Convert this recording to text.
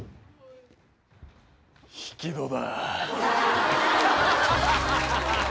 引き戸だ。